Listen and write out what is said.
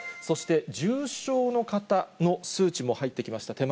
そして、重症の方の数値も入ってきました。